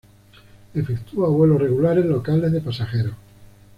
Efectúa vuelos regulares locales de pasajeros.